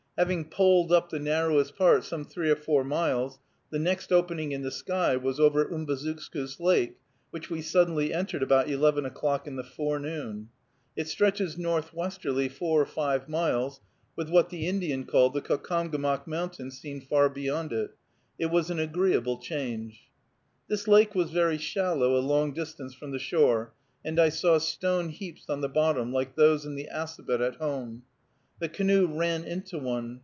Having poled up the narrowest part some three or four miles, the next opening in the sky was over Umbazookskus Lake, which we suddenly entered about eleven o'clock in the forenoon. It stretches northwesterly four or five miles, with what the Indian called the Caucomgomoc Mountain seen far beyond it. It was an agreeable change. This lake was very shallow a long distance from the shore, and I saw stone heaps on the bottom, like those in the Assabet at home. The canoe ran into one.